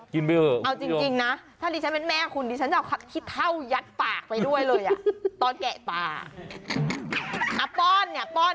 ขนมครับ